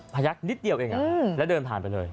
พยักนิดเดียวเองแล้วเดินผ่านไปเลย